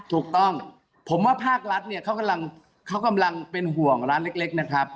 ถูกต้องผมว่าภาครัฐเขากำลังเป็นห่วงร้านเล็กนะครับ